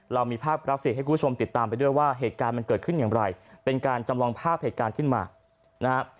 เรามีภาพกราฟิกให้คุณผู้ชมติดตามไปด้วยว่าเหตุการณ์มันเกิดขึ้นอย่างไรเป็นการจำลองภาพเหตุการณ์ขึ้นมานะฮะ